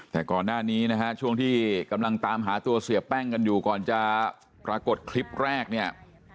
แต่ก่อนหน้านี้นะฮะช่วงที่กำลังตามหาตัวเสียแป้งกันอยู่ก่อนจะปรากฏคลิปแรกเนี่ย